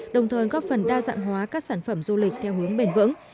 đồng thời góp phần đa dạng hóa các sản phẩm du lịch theo hướng bền vững